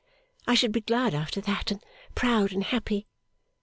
I should be glad after that, and proud and happy.